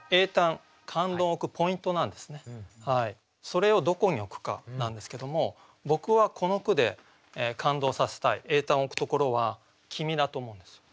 それをどこに置くかなんですけども僕はこの句で感動させたい詠嘆を置くところは「君」だと思うんですよ。